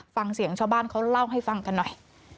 ฟังเสียงชาวบ้านเขาเล่าให้ฟังกันหน่อย